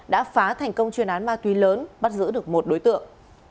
đã phá thành công chuyên án ma túy lớn bắt giữ được một đối tượng